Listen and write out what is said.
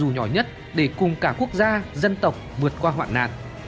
nhỏ nhất để cùng cả quốc gia dân tộc vượt qua hoạn nạn